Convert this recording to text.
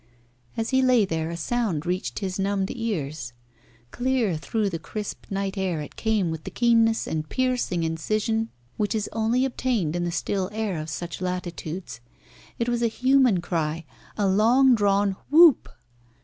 As he lay there a sound reached his numbed ears. Clear through the crisp night air it came with the keenness and piercing incision which is only obtained in the still air of such latitudes. It was a human cry: a long drawn "whoop."